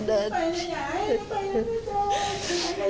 อาหารเกรงเศษมากครูสวัสดีครับ